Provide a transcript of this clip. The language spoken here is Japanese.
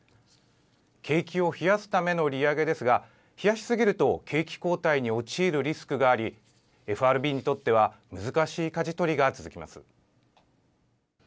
景気を冷やすための利上げですが、冷やしすぎると景気後退に陥るリスクがあり、ＦＲＢにとっては、難しいかじ取りが続きます。